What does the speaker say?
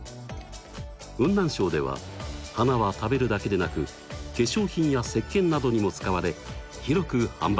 雲南省では花は食べるだけでなく化粧品や石けんなどにも使われ広く販売されています。